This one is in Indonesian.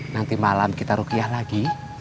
nanti malam kita rukiah lagi